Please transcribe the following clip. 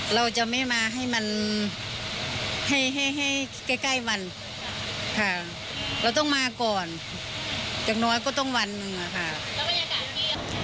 เราจะไม่มาให้มันให้ให้ใกล้มันค่ะเราต้องมาก่อนอย่างน้อยก็ต้องวันหนึ่งอะค่ะ